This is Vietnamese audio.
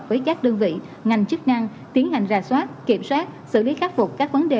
với các đơn vị ngành chức năng tiến hành ra soát kiểm soát xử lý khắc phục các vấn đề